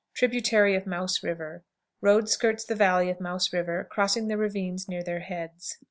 Tributary of Mouse River. Road skirts the valley of Mouse River, crossing the ravines near their heads.